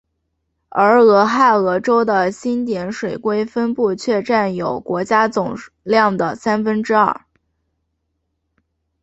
而俄亥俄州的星点水龟分布却占有国家总数量的三分之二。